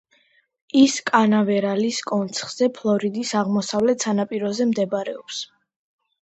ის კანავერალის კონცხზე, ფლორიდის აღმოსავლეთ სანაპიროზე მდებარეობს.